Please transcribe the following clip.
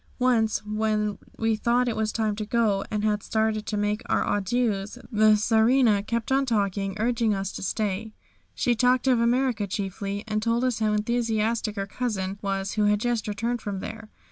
Once when we thought it was time to go, and had started to make our adieus, the Czarina kept on talking, urging us to stay. She talked of America chiefly, and told us how enthusiastic her cousin was who had just returned from there.